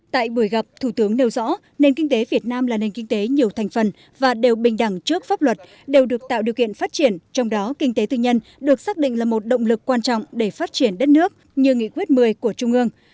tại buổi gặp thủ tướng nêu rõ nền kinh tế việt nam là nền kinh tế nhiều thành phần và đều bình đẳng trước pháp luật đều được tạo điều kiện phát triển trong đó kinh tế tư nhân được xác định là một động lực quan trọng để phát triển đất nước như nghị quyết một mươi của trung ương